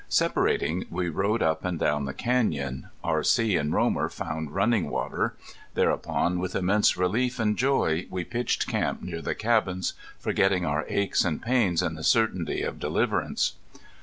Separating we rode up and down the canyon. R.C. and Romer found running water. Thereupon with immense relief and joy we pitched camp near the cabins, forgetting our aches and pains in the certainty of deliverance.